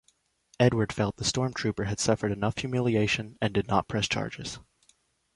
Edward felt the Storm Trooper had suffered enough humiliation and did not press charges.